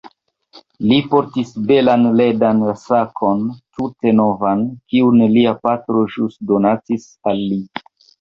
Li portis belan ledan sakon, tute novan, kiun lia patro ĵus donacis al li.